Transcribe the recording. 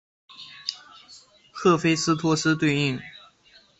赫菲斯托斯对应。